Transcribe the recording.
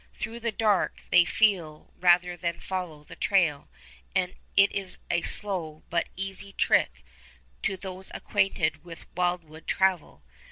Through the dark they feel rather than follow the trail, and it is a slow but an easy trick to those acquainted with wildwood travel.